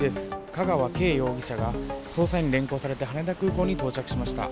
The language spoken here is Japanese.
香川敬容疑者が捜査員に連行されて、羽田空港に到着しました。